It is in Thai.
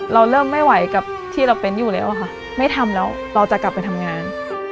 เราเริ่มไม่ไหวกับที่เราเป็นอยู่แล้วค่ะไม่ทำแล้วเราจะกลับไปทำงาน